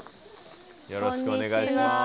よろしくお願いします。